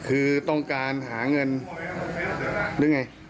คือต้องการหาเงินหรือไง